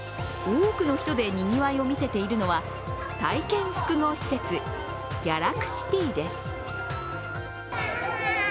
多くの人でにぎわいを見せているのは体験複合施設ギャラクシティです。